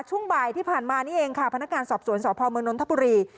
ช่วงบ่ายที่ผ่านมานี่เองค่ะพนักงานสอบสวนสพมนนทบุรี